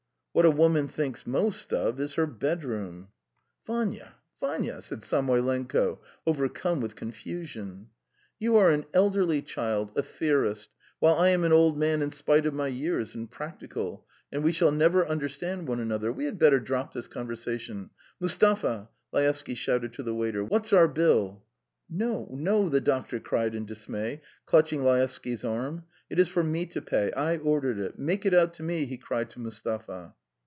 What a woman thinks most of is her bedroom." "Vanya, Vanya!" said Samoylenko, overcome with confusion. "You are an elderly child, a theorist, while I am an old man in spite of my years, and practical, and we shall never understand one another. We had better drop this conversation. Mustapha!" Laevsky shouted to the waiter. "What's our bill?" "No, no ..." the doctor cried in dismay, clutching Laevsky's arm. "It is for me to pay. I ordered it. Make it out to me," he cried to Mustapha.